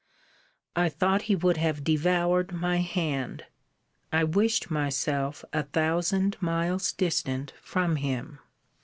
I thought he would have devoured my hand. I wished myself a thousand miles distant from him.